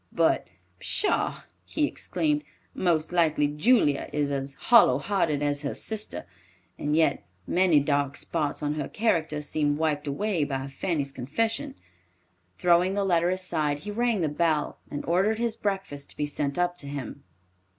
"But pshaw!" he exclaimed, "most likely Julia is as hollow hearted as her sister, and yet many dark spots on her character seem wiped away by Fanny's confession." Throwing the letter aside he rang the bell, and ordered his breakfast to be sent up to him.